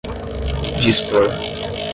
dispor